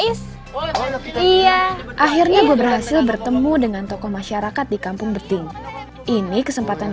nangis iya akhirnya gue berhasil bertemu dengan tokoh masyarakat di kampung beting ini kesempatan